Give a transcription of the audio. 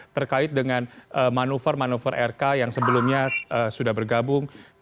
terkait dengan manuver manuver rk yang sebelumnya sudah bergabung